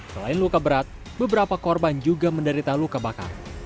selain luka berat beberapa korban juga menderita luka bakar